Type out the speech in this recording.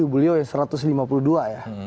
beliau satu ratus lima puluh dua ya